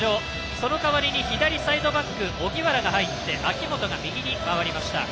その代わりに左サイドバックに荻原が入って明本が右に回りました。